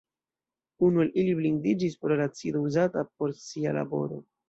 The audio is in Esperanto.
Unu el ili blindiĝis pro la acido uzata por sia laboro.